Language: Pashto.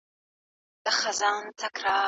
منصفانه قضاوت تر افراطي چلند ډېر غوره دی.